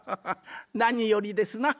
なによりですな。